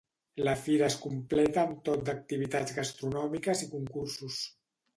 La fira es completa amb tot d’activitats gastronòmiques i concursos.